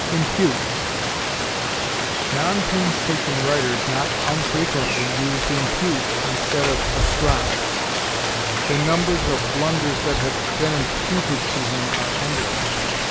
IMPUTE. Non painstaking writers not unfrequently use impute instead of ascribe. "The numbers [of blunders] that have been imputed to him are endless."